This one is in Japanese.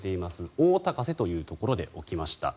大高瀬というところで起きました。